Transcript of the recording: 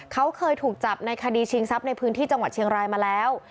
เขาเคยถูกจับในคดีชิงทรัพย์ในพื้นที่จังหวัดเชียงรายมาแล้ว